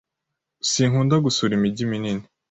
Sinkunda gusura imigi minini.